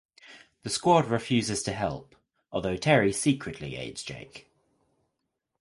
The squad refuses to help although Terry secretly aids Jake.